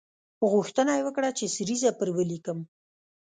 غوښتنه یې وکړه چې سریزه پر ولیکم.